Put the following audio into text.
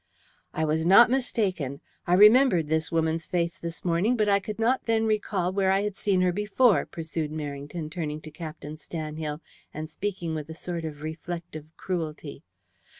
"I was not mistaken. I remembered this woman's face this morning, but I could not then recall where I had seen her before," pursued Merrington, turning to Captain Stanhill and speaking with a sort of reflective cruelty.